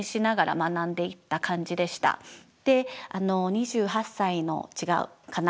２８歳の違うかな？